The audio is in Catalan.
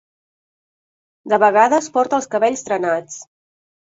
De vegades porta els cabells trenats.